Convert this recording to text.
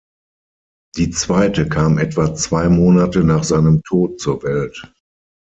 Die zweite kam etwa zwei Monate nach seinem Tod zur Welt.